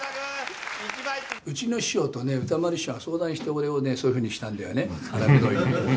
うちの師匠とね、歌丸師匠が相談して、俺をね、そういうふうにしたんだよね、腹黒いね。